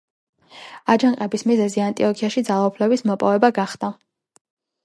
აჯანყების მიზეზი ანტიოქიაში ძალაუფლების მოპოვება გახდა.